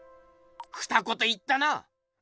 ふた言言ったな！